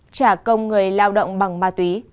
trả công người lao động bằng ma túy